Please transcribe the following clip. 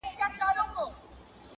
سړې شپې يې تېرولې په خپل غار كي؛